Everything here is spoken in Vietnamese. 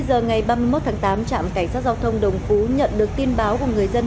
giờ ngày ba mươi một tháng tám trạm cảnh sát giao thông đồng phú nhận được tin báo của người dân